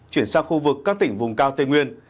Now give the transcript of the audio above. chuyển sang khu vực các tỉnh vùng cao tây nguyên